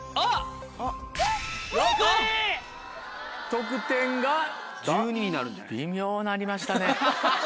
得点が微妙になりましたね。